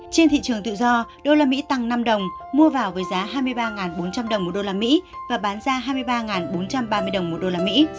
trên thị trường tự do đô la mỹ tăng năm đồng mua vào với giá hai mươi ba bốn trăm linh đồng một đô la mỹ và bán ra hai mươi ba bốn trăm ba mươi đồng một đô la mỹ